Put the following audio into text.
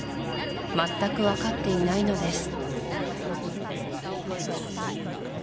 全く分かっていないのです